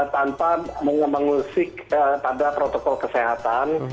tanpa mengusik pada protokol kesehatan